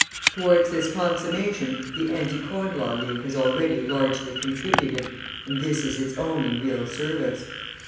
Towards this consummation the Anti Corn Law League has already largely contributed, and this is its only real service.